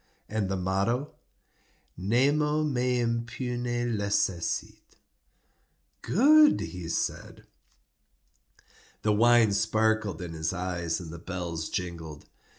"And the motto?" "Nemo me impune lacessit." "Good!" he said. The wine sparkled in his eyes and the bells jingled.